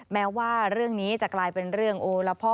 แม้ว่าเรื่องนี้จะกลายเป็นเรื่องโอละพ่อ